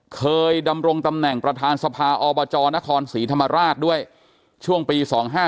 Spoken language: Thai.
เคยดำรงตำแหน่งประธานสภาอบจนครศรีธรรมราชด้วยช่วงปี๒๕๕